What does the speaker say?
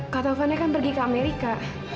kak taufannya kan pergi ke amerika